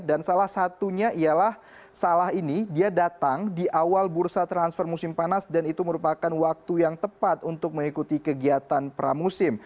dan salah satunya ialah salah ini dia datang di awal bursa transfer musim panas dan itu merupakan waktu yang tepat untuk mengikuti kegiatan pramusim